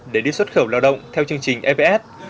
để đi xuất khẩu lao động theo chương trình eps